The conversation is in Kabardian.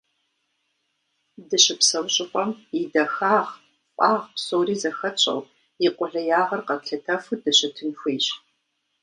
Дыщыпсэу щӏыпӏэм и дахагъ, фӏагъ псори зыхэтщӏэу, и къулеягъыр къэтлъытэфу дыщытын хуейщ.